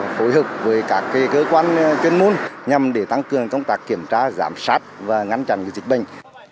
phối hợp với các cơ quan chuyên môn nhằm để tăng cường công tác kiểm tra giám sát và ngăn chặn dịch bệnh